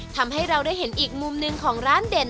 ทำให้เราได้เห็นอีกมุมหนึ่งของร้านเด่น